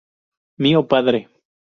Mio padre!